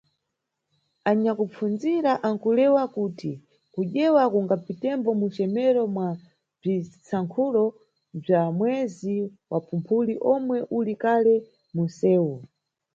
Anyakupfundzirira ankulewa kuti kudyewa kungapitembo muncemero mwa bzwisankhulo bzwa mwezi wa Phumphuli omwe uli kale munsewu.